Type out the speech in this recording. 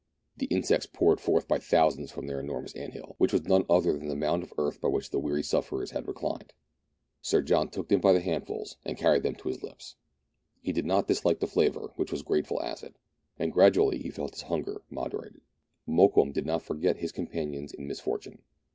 The insects poured forth by thousands from their enormous ant hill, which was none other than the mound of earth by which the weary sufferers had reclined. Sir John took them by handfuls, and carried them to his lips ; he did not dislike the flavour, which was a grateful acid ; and gradually he felt his hunger moderated. Mokoum did not forget his companions in misfortune.